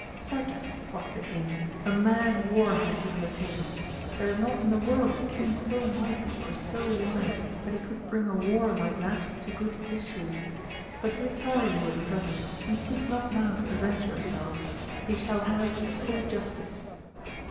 Certes, quoth the king, a mad war hath he undertaken ! there is not in the world a king so mighty, or so wise, that he could bring a war like that to good issue ! but retire you at present, and seek not now to avenge yourselves : he shall have full justice.